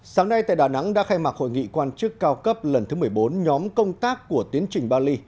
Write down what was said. sáng nay tại đà nẵng đã khai mạc hội nghị quan chức cao cấp lần thứ một mươi bốn nhóm công tác của tiến trình bali